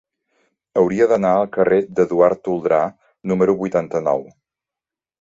Hauria d'anar al carrer d'Eduard Toldrà número vuitanta-nou.